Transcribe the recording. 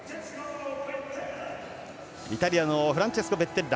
イタリアのフランチェスコ・ベッテッラ。